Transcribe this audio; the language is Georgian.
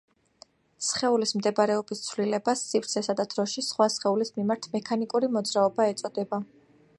სხეულის მდებარეობის ცვლილებას სივრცესა და დროში სხვა სხეულის მიმართ მექანიკური მოძრაობა ეწოდება